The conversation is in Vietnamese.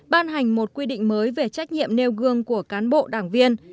ban hành một quy định mới về trách nhiệm nêu gương của cán bộ đảng viên